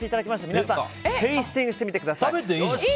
皆さんテイスティングしてみてください。